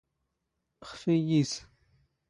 ⵅⴼ ⵉⵢⵢⵉⵙ.